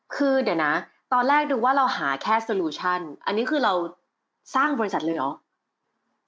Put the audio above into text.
คือเดี๋ยวนะตอนแรกดูว่าเราหาแค่สลูชั่นอันนี้คือเราสร้างบริษัทเลยเหรอ